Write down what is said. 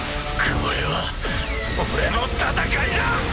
これは俺の戦いだ！